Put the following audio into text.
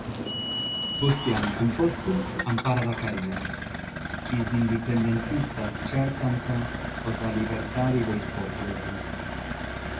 Bustianu Cumpostu amparat Caria: “Is indipendentistas chertant pro sa libertade de is pòpulos”.